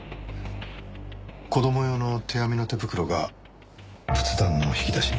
子供用の手編みの手袋が仏壇の引き出しに。